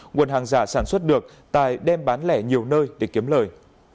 nguồn hàng giả sản xuất được tài đem bán lẻ nhiều nơi để kiếm lời